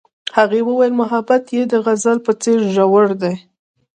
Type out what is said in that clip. هغې وویل محبت یې د غزل په څېر ژور دی.